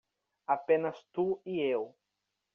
Apenas tu e eu.